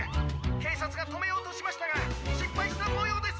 けいさつがとめようとしましたがしっぱいしたもようです。